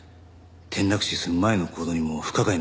転落死する前の行動にも不可解な点が多い。